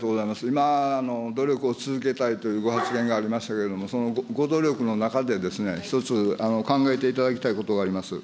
今、努力を続けたいというご発言がありましたけれども、そのご努力の中で、１つ、考えていただきたいことがあります。